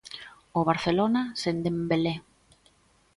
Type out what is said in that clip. O Barcelona sen Dembelé.